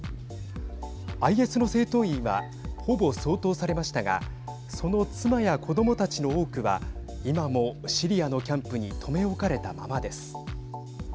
ＩＳの戦闘員はほぼ掃討されましたがその妻や子どもたちの多くは今も、シリアのキャンプに留め置かれたままです。